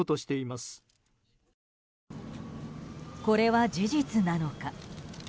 これは事実なのか？